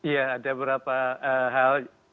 ya ada beberapa hal